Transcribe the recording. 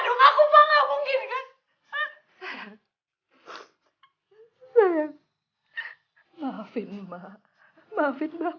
dia sedang bodoh kunjungi karena dia tersenggar